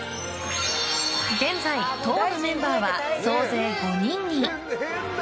現在、党のメンバーは総勢５人に。